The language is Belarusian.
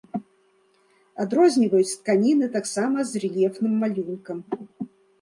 Адрозніваюць тканіны таксама з рэльефным малюнкам.